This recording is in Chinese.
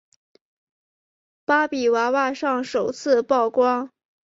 芭比娃娃上首次曝光。